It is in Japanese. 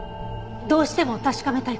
どうしても確かめたい事が。